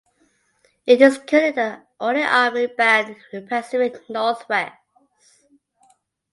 It is currently the only army band in the Pacific Northwest.